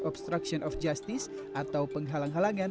obstruction of justice atau penghalang halangan